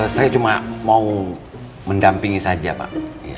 saya cuma mau mendampingi saja pak